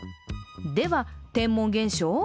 では天文現象？